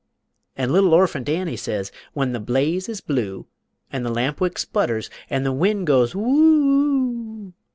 An' little Orphant Annie says, when the blaze is blue, An' the lampwick sputters, an' the wind goes woo oo!